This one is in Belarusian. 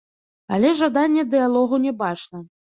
Але жадання дыялогу не бачна.